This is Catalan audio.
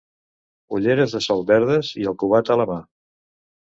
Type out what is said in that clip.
Ulleres de sol verdes i el cubata a la mà.